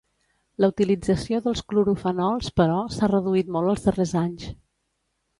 La utilització dels clorofenols, però, s'ha reduït molt els darrers anys.